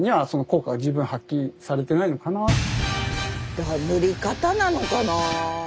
だから塗り方なのかな？